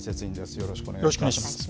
よろしくお願いします。